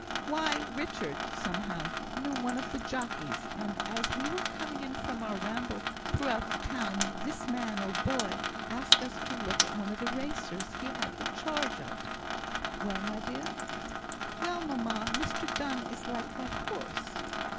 "Why, Richard, somehow, knew one of the jockeys, and, as we were coming in from our ramble through the town, this man, or boy, asked us to look at one of the racers he had the charge of." "Well, my dear!" "Well, mamma! Mr Donne is like that horse!"